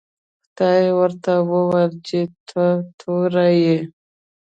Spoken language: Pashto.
خدای ورته وویل چې ته تور یې.